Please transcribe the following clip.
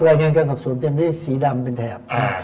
รายงานการสอบสวนเต็มที่สีดำเป็นแถบ